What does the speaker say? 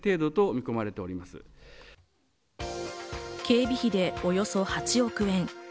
警備費でおよそ８億円。